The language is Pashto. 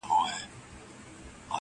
• چا تر خولې را بادوله سپین ځګونه -